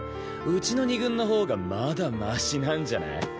うちの２軍のほうがまだマシなんじゃない？